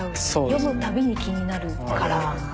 読むたびに気になるから。